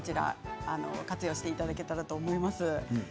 活用していただけたらと思います。